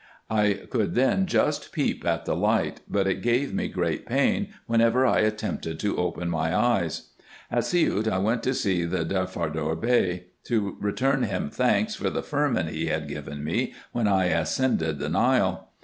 I could then just peep at the light ; but it gave me great pain whenever I attempted to open my eyes. At Siout I went to see the Deftardar Bey, to return him thanks for the firman he had given me when I ascended the Nile.